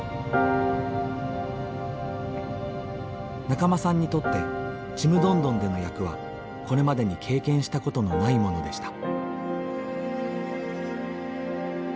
仲間さんにとって「ちむどんどん」での役はこれまでに経験したことのないものでした。